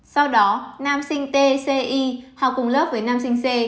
sau đó nam sinh t c y học cùng lớp với nam sinh c